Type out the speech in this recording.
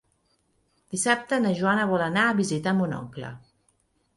Dissabte na Joana vol anar a visitar mon oncle.